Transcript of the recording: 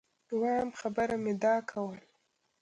وایم خبره مي دا کول